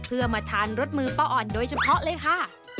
เพื่อมาทานรสมือป้าอ่อนโดยเฉพาะเลยค่ะ